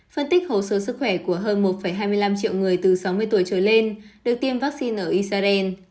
phân tích hồ sơ sức khỏe của hơn một hai mươi năm triệu người từ sáu mươi tuổi trở lên được tiêm vaccine ở israel